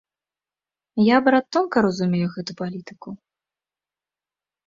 Я, брат, тонка разумею гэту палітыку.